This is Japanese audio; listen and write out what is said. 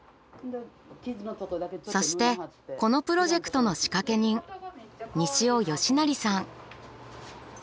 そしてこのプロジェクトの仕掛け人西尾美也さん。